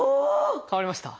変わりました？